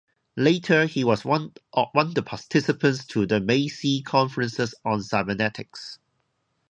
Later he was one the participants to the "Macy conferences" on cybernetics.